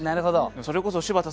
それこそ柴田さん